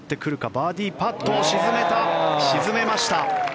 バーディーパット沈めました。